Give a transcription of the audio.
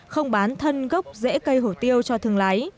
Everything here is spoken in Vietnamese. không bán thân gốc rễ cây hổ tiêu cho thương lái